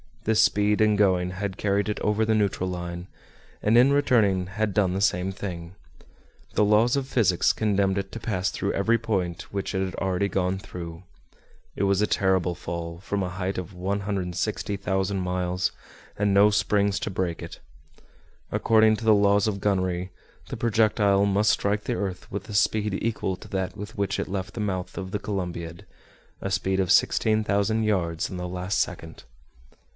This speed in going had carried it over the neutral line, and in returning had done the same thing. The laws of physics condemned it to pass through every point which it had already gone through. It was a terrible fall, from a height of 160,000 miles, and no springs to break it. According to the laws of gunnery, the projectile must strike the earth with a speed equal to that with which it left the mouth of the Columbiad, a speed of 16,000 yards in the last second.